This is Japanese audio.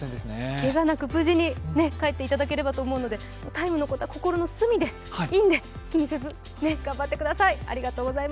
けがなく無事に帰ってきていただければと思うんで「ＴＩＭＥ，」のことは心の隅でいいので気にせず頑張ってください。